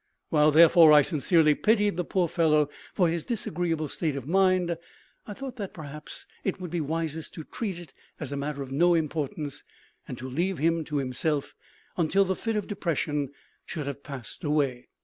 While, therefore, I sincerely pitied the poor fellow for his disagreeable state of mind, I thought that perhaps it would be wisest to treat it as a matter of no importance, and to leave him to himself until the fit of depression should have passed away.